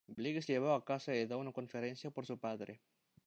Blake es llevado a casa y dado una conferencia por su padre.